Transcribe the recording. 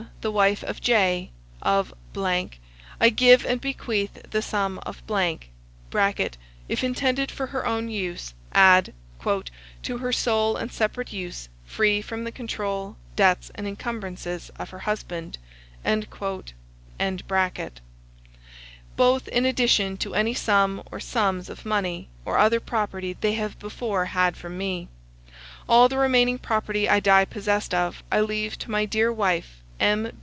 the wife of J., of , I give and bequeath the sum of [if intended for her own use, add "to her sole and separate use, free from the control, debts, and incumbrances of her husband"], both in addition to any sum or sums of money or other property they have before had from me. All the remaining property I die possessed of I leave to my dear wife M.